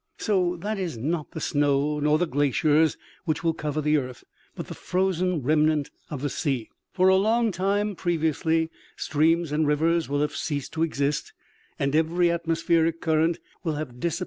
" So that it is not the snow, nor the glaciers which will cover the earth, but the frozen remnant of the sea. For a long time previously streams and rivers will have ceased to exist and every atmospheric current will have disap ii2 OMEGA.